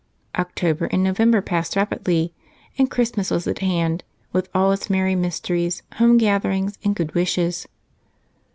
October and November passed rapidly, and Christmas was at hand, with all its merry mysteries, home gatherings, and good wishes.